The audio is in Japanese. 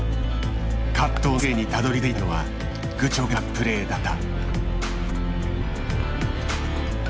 葛藤の末にたどりついたのは愚直なプレーだった。